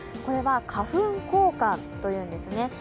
これは花粉光環というんですね。